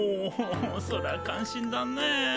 それは感心だね。